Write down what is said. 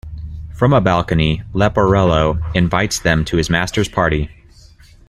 From a balcony, Leporello invites them to his master's party.